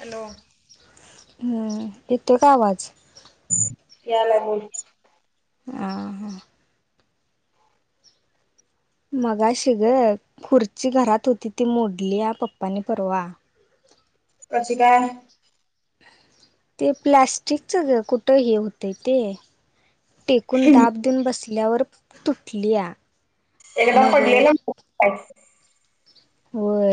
Hello हू येतो का आवाज यालाय [unintelligible] आ हा मगाशी ग खुर्ची घरात होती ती मोडलीया पप्पानी परवा. कशी काय? ते प्लॅस्टिकच ग कुठं हे होतंय ते टेकून दाब देऊन बसल्यावर तुटलीया एकदा मग पडलेला [inaudible] होय.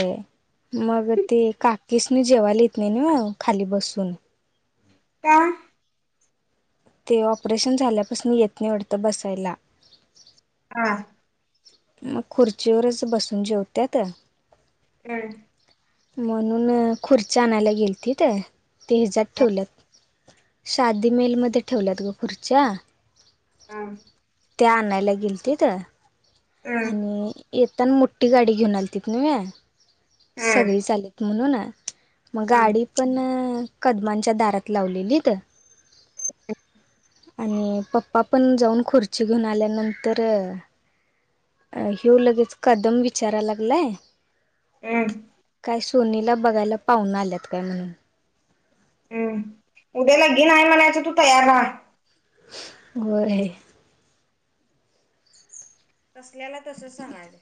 मग ते काकीस न जेवायला येत नाही ना खाली बसून. काऊन? ते ऑपरेशन झाल्यापासून येत नाही वाटत बसायला. हा. मग खुर्चीवरच बसून जेवत्यात. हम्म. म्हणून खुर्ची आणायला गेलतीत त तर ते हेज्यात ठेवल्यात शादी मेलमध्ये ठेवल्यात ग खुर्च्या. हम्म. ते आणायला गेल ते तर हम आणि येताना मोठी गाडी घेऊन आली तिथनं व्हय सगळीच आले म्हणून ना मग गाडी आपण कदमांच्या दारात लावलेली तर आणि पप्पा पण जाऊन खुर्ची घेऊन आल्यानंतर अ ह्यऊ लगेच कदम विचाराय लागलाय. हम्म. काय सोनीला बघायला पाहून आल्यात काय म्हणून? हम्म उद्याला घेन म्हणायचं तू तयार राहा. हो रे. तसल्याला तसच सांगायचं.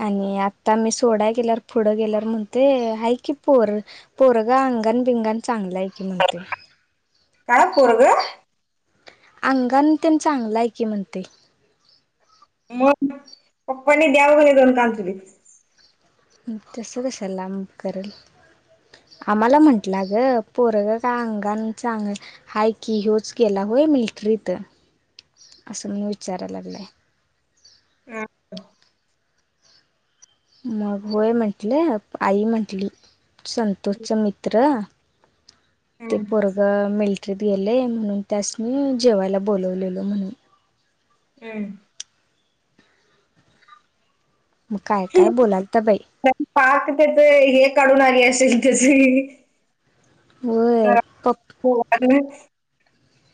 आणि आता मी सोड्या गेल्यावर पुढं गेल्यावर म्हणते हाय की पोर पोरगा अंगण बिंगण चांगला आहे की म्हणते. काय पोरगं? अंगा त्यां चांगलं आहे की म्हणते. मग पप्पनी द्यावं घ दोन कानफडीत. तसं कशाला लाब करेल. आम्हाला म्हटलं ग पोरग का अंगण चांग हाय कि होोच गेला होय मिल्ट्री तर असं म्हण विचाराय लागलंय. हा. मग होय म्हंटलं आई म्हंटली संतोषच मित्र मित्र ते पोरगं मि मिल्ट्री गेले म्हणून त्यास मी जेवायला बोलवलेलो म्हणून. हम्म. मग काय- काय बोलाल तर बाई. पाक ते तर हे काढून आली असेल त्याची. होय. [unintelligible]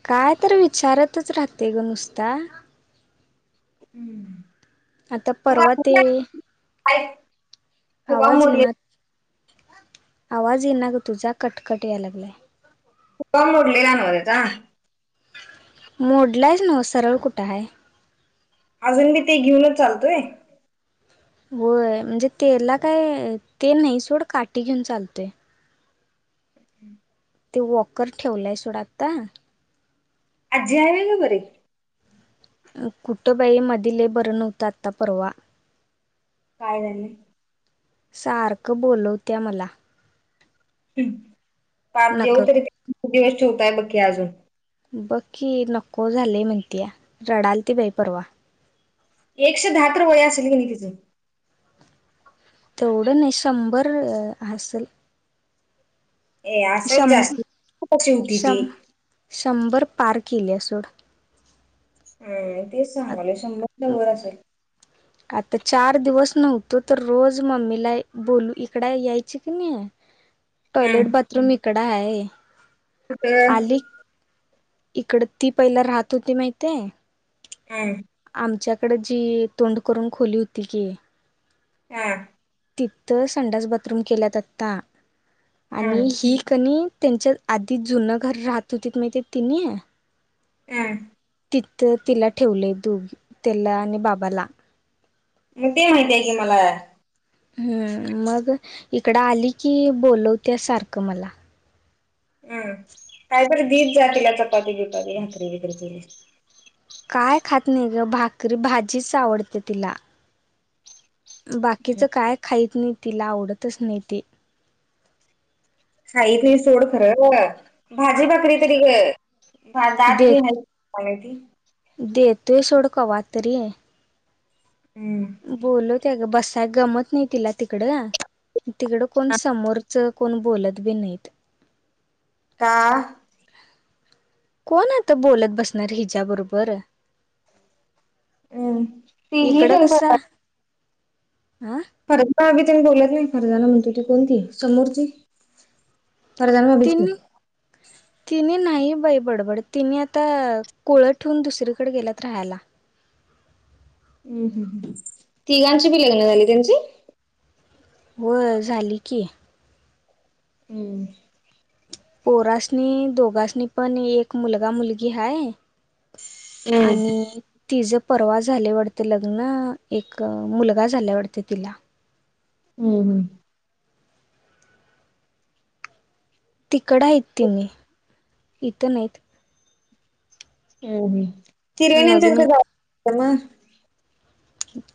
काय तर विचारतच राहते गं नुसता. हम्म. आता परवा ते [inaudible] फुगा आवाज मोडले येना आवाज येना ग तुझा कटकट यायला लागलाय. [unintelligible] मुरलेला न त्याचा. मोडलास नव सरळ कुठं आहे? अजून बी ते घेऊनच चालतोय? होय. म्हणजे तेला काय ते नाही सोड काठी घेऊन चालतय. हम्म ते वॉकर ठेवलंय सोडा आत्ता आज्जी हाय व्हय गं बरी कुठं बाई मधी लय बरं नव्हतं आत्ता परवा काय झालंय सारखं बोलवत्या मला पाप देव नक तरी ते दिवस ठेवताय बघ की अजून बघ की नको झालंय म्हणत्या रडालती बाई परवा एकशे दहा तर वय असेल की नाही तिचं तेवढं नाय शंभर हासल ए आसन शं जास्त खूप वर्ष होती ती शं शंभर पार कील्या सोड हम्म तेच सांगायलोय शंभरच्या वर असल आता चार दिवस नव्हतो तर रोज मम्मीला बोलू इकड यायची की नाय हम्म टॉयलेट बाथरूम इकडं हाय कुठं आली इकडं ती पहिला राहत होती माहितेय हम्म आमच्याकडं जी तोंड करून खोली हुती की हा तिथं संडास बाथरूम केल्यात आत्ता हम्म आणि ही कणी त्यांच्या आधी जुनं घर राहत हुतीत माहिती तिनं हम्म तिथं तिला ठेवलंय दुब त्येला आणि बाबाला मग ते माहिती आहे की मला हम्म मग इकडं आली की बोलवत्या सारखं मला काहीतरी दित जा तिला चपाती बीपाती भाकरी बिकरी केलीस काय खात नाई गं भाकरी भाजीच आवडते तिला बाकीचं काय खाईत नाही तिला आवडतच नाही ते खाईत नाई सोड खरं भाजी भाकरी तरी गं भा दात देत बी हायत कोण हाय ती देतोय सोड कवा तरी हम्म बोलवत्या गं बसाय गमत नाही तिला तिकडं तिकडं कोण समोर चं कोण बोलत बी नाहीत का कोण आता बोलत बसणार हिच्याबरोबर हम्म तीही इकडं तेन कसा आ फर्जा भाभी तेन बोलत नाहीत फरजाना म्हणतो ती कोण ती समोरची फरजाना भाभीच की तींनी तींनी नाही बाई बडबडत तींनी आता कोळं ठेऊून दुसरीकडं गेल्यात राहायला हम्म हम्म हम्म तिघांची बी लग्न झाली त्यांची होय झाली की हम्म पोरास्नी दोघास्नी पण एक मुलगा मुलगी हाय हम्म आणि तिझं परवा झालय वाटतं लग्न एक मुलगा झालाय वाटतं तिला. हम् हम्. तिकंड हायत तेनी इथं नाहीत. नवीन [unintelligible]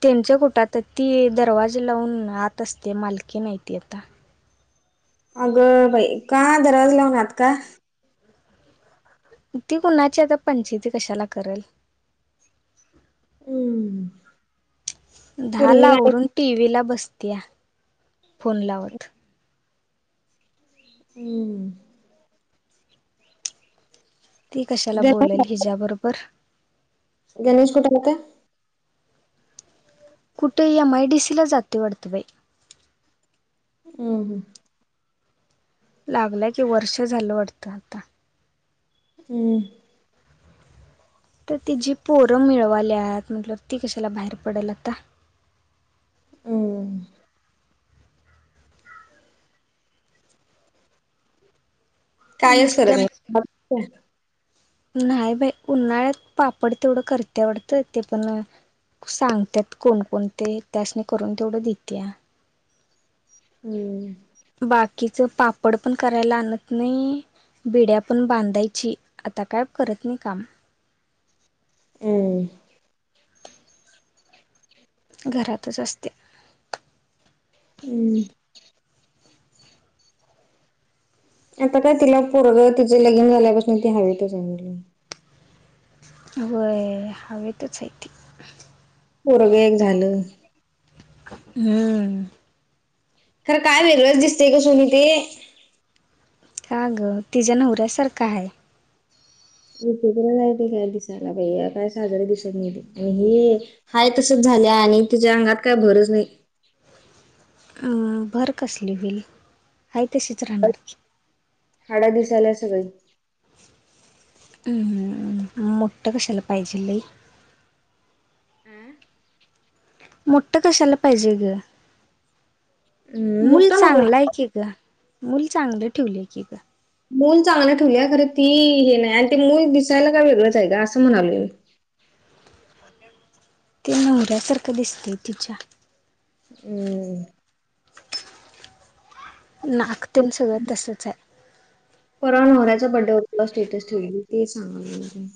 त्यांच्या कुट आता ती दरवाजे लावून आत असते मालकीेन आहे आता. अगं बाई का दरवाज लावून आत का. ती कुणाची आता पंचाती कशाला करेल. हम्म. दहा ला पोरगीला आवरून टीव्ही ला बसत्या फोन लावत. हम्. ती कशाला गणेश बोललं हिज्याबरोबर. गणेश कुठे आलता. कुठ एमआयडीसीला जातुय वाटतं बाय. हा हा. लागलंय की वर्ष झालं वाटतं आता. हम्म. तर तिचं पोरं मिळवाली आहेत म्हटल ती कशाला बाहेर पडेल आता. [inaudible] कायच करत नस्ता बग. नाही नाहया बाई उन्हाळ्यात पापड तेवढं करत्या वाटतं पण. सांगतात कोण कोण ते त्यास नी करून तेवढं देते त्या. हम्म. बाकीच पापड पण करायला आणत नाई. बिड्या पण बांधायची आता काय करत नई काम. हम्म. घरातच असत्या. हम्म. आता काय तिला पोरग तिचे लगीन झाल्यापासन ती हवेत हाय. होय हवेतच आहे‌ती. पोरगं एक झालं. हम्म. खर काय वेगळंच दिसतेय ग सोनी ते. का ग तिच्याया नवऱ्यासारखा आहे. उकला जाय का दिसायला काय साजरे दिसत नाही हे. हाय तसंच झाल्या आणि तिच्या अंगात काय भरच नाही. भर कसली होईल हा तशीच राहणार की. हाडं दिसायला सगळे. हम् मोठ कशाला पाहिजे लय. [unintelligible] मोठं कशाला पाहिजे ग. हम्म मूल मोठं नको. चांगला आहे की ग मूल चांगलं ठेवलं आहे की ग. मूल चांगलं ठेवले आहे खरं ती हे नाही आणि ते मूल दिसायला काय वेगळंच आहे का असं म्हणावले मी. ते नवऱ्यासारखं दिसते तिच्या. हम्. नाकतेन सगळं तसंच आहे. परवा नवऱ्याचा बड्डे होता स्टेटस ठेवली ते सांगालजे.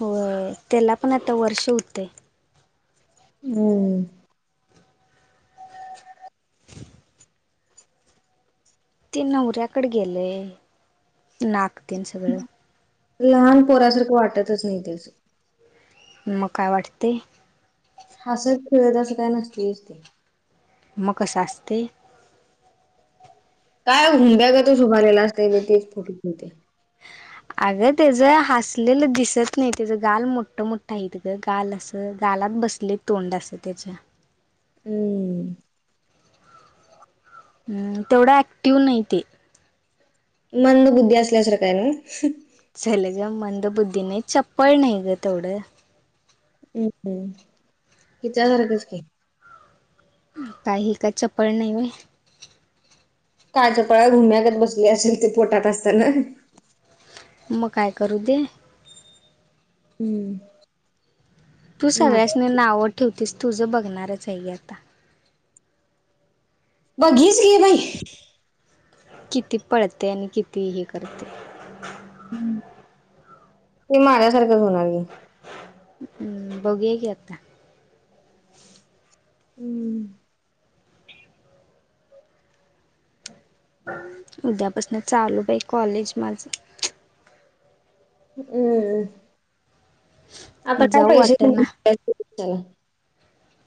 होय त्याला पण आता वर्ष होते. हम्म ते नवऱ्याकडे गेले नाक तन सगळं लहान पोरासारखं वाटतच नाही ते असं. म काय वाटते. असंच खेळत असं काय नसती दिसते. मग कसं असते? काय घुंब्याग तच उभारलेला असते मी तेच फोटते म्हणते या अगं तेच हसलेलं दिसत नाही त्याच गाल मोठं मोठं आहे ग गाल असं गालात बसतं. ले तोंड असं त्याचं हम्म हम् तेवढा ऍक्टिव्ह नाही ते मंद बुद्धी असल्यासारख आहे ना चलग मंद बुद्धी नाही चपळ नाही ग तेवढं हम्म हम्म हिच्या सारखंच की काही का चपळ नाही व्हय काळच्या पळ रुम्यागत बसले असेल ते पोटात असताना. मग काय करू दे? हम्म तू सगळ्यासनी नाव ठेवतेस तुझं बघणारच आहे आता बघच बाई किती पळते आणि किती हे करते हे माझ्या सारखच होणार आहे हम्म बघूया की आता. हम्म उद्यापासन चालू बाई कॉलेज माझ. हम्म आता काय जाऊ पाहिजे‌ वाटतं मग ना त्याला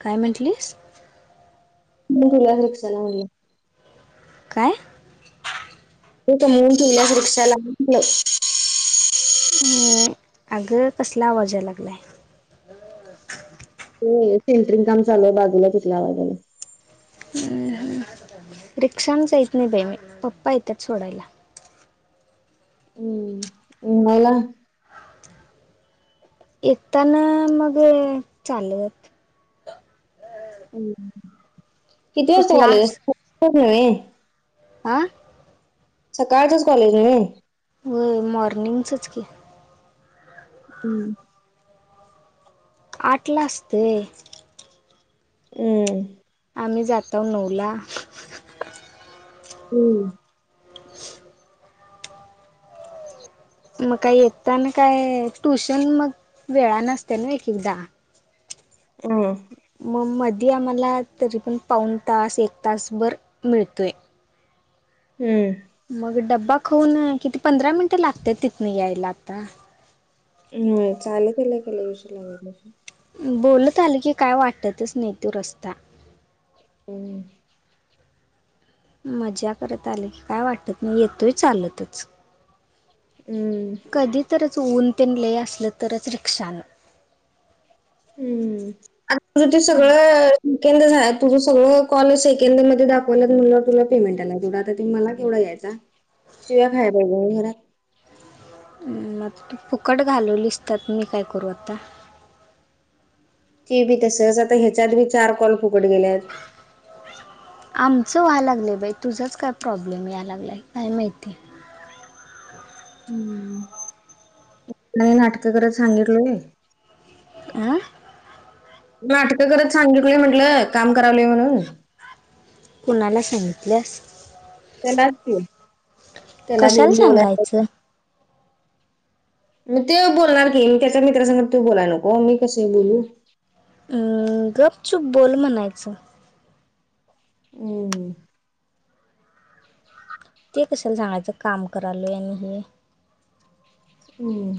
काय म्हटलीस मी तुला रिक्षा ना म्हणले. काय? ते समून तल्यास रिक्षाला म्हटलं. अ अगं कसला आवाज या लागलाय ते सिंटरिंग काम चालू आहे बाजूला तिथल्या आवाज आला हम्म् रिक्षाम जायेत नाही बाई मी पप्पा येतात सोडायला. हम्म न्यायला. एकताना मग चालत किती ते वाजता कॉलेज क्लास असत? [unintelligible] खूप आ? सकाळचच कॉलेज आहे ना? हो मॉर्निंगचच की. हम्म. आटला असते. हम्. आम्ही जातो नऊला. हम्म मग काय येताना काय ट्यूशन मग वेळा न असते ना एक एकदा. हम्म मग मधी आम्हाला तरी पण पाऊन तास एक तासभर मिळतोय. हम्म मग डब्बा खाऊन किती पंधरा मिनिटं लागते तिथनं यायला आता- हो चालु केली की लय उशीर लागत नाही. बोलत आल की काय वाटतच नाही तो रस्ता. हम् मज्जा करत आलंय की काय वाटत नाही येतोय चालतच. हम्म कधीतरच ऊन तेन लय असलं तरच रिक्षानं हम्म आ ते सगळं, सेकंद तुझं सगळं कॉल सेकंद मध्ये दाखवलात मला तुला पेमेंट आहेला तेवं आता त मला केवढं यायचं. शिवा खायला पाहिजे मी. मग तु फुकट घालवलीसत्यात मी काय करू आता. ते बी तसच आता ह्याच्या आधी बी चार कॉल फुकड गेलेत. आमचं व्हा लागलंय बाई तुझाच काय प्रॉब्लेम या लागलाय काय माहितीय. मी नाटकं करत सांगितलंय. हम्म नाटकं करत सांगितली म्हटलं काम करायलो म्हणुन. कुणाला सांगितल्यास. त्यांनाच की त्याला आणि कशाला बोलायला. सांगायचं मग ते बोलणार की मी त्याच्या मित्रासमोर ते बोला नको मी कशी बोलू. अम् गपचुप बोल म्हनायचं हम् ते कशाला सांगायचं काम करालय आणि हे- हम्म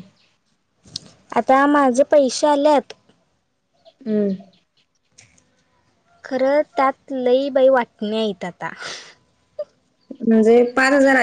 आता माझे पैसे आल्यात, हम्म खरं त्यात लई बाई वाटणे येत आता. म्हणजे पाच हजारात.